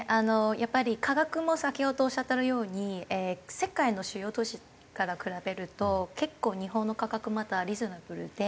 やっぱり価格も先ほどおっしゃってるように世界の主要都市から比べると結構日本の価格まだリーズナブルで。